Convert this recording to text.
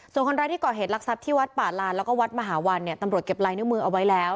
ส่วนคนรักที่เกาะเหตุรักษัพที่วัดป่าลานและวัดมหาวันตำรวจเก็บไลน์หน้ามือเอาไว้แล้ว